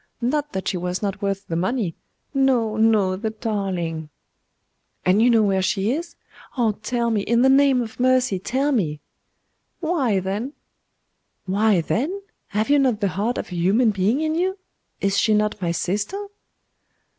Not that she was not worth the money no, no, the darling!' 'And you know where she is? Oh tell me in the name of mercy tell me!' 'Why, then?' 'Why, then? Have you not the heart of a human being in you? Is she not my sister?